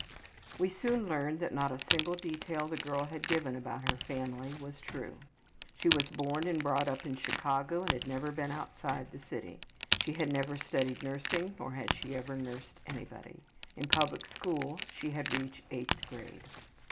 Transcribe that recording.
'' We soon learned that not a single detail the girl had given about her family was true. She was born and brought up in Chicago and had never been outside of the city. She had never studied nursing nor had she ever nursed anybody. In public school she had reached eighth grade.